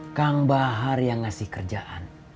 kang bahar yang ngasih kerjaan